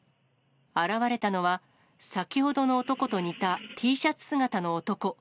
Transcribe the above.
現れたのは、先ほどの男と似たＴシャツ姿の男。